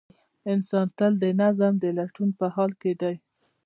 انسان تل د نظم د لټون په حال کې دی.